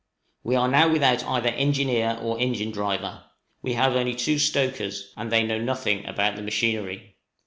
We are now without either engineer or engine driver: we have only two stokers, and they know nothing about the machinery.